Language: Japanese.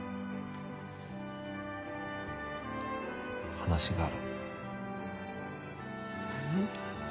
話がある何？